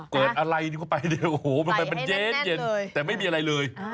เกิดอะไรเข้าไปโอ้โหมันเป็นเย็นแต่ไม่มีอะไรเลย